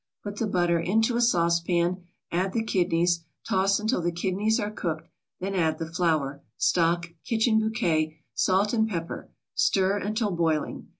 Put the butter into a saucepan, add the kidneys, toss until the kidneys are cooked, then add the flour, stock, kitchen bouquet, salt and pepper; stir until boiling.